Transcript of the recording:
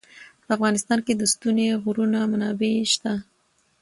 په افغانستان کې د ستوني غرونه منابع شته.